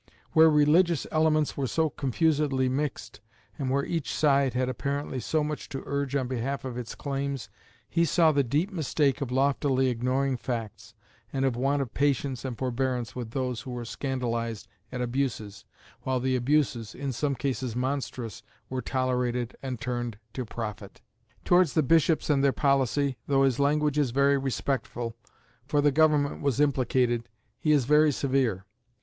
Where religious elements were so confusedly mixed, and where each side had apparently so much to urge on behalf of its claims, he saw the deep mistake of loftily ignoring facts, and of want of patience and forbearance with those who were scandalised at abuses, while the abuses, in some cases monstrous, were tolerated and turned to profit. Towards the bishops and their policy, though his language is very respectful, for the government was implicated, he is very severe.